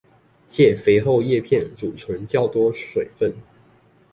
藉肥厚葉片貯存較多水分